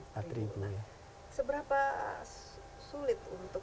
seberapa sulit untuk